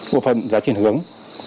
bộ phần giá chuyển hướng